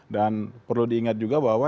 dan perlu diingat juga bahwa